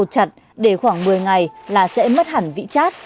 chặt để khoảng một mươi ngày là sẽ mất hẳn vĩ chát